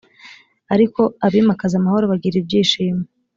ariko abimakaza amahoro bagira ibyishimo